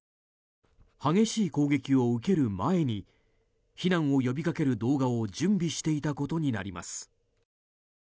激しい攻撃を受ける前に避難を呼びかける動画を準備していたことになります。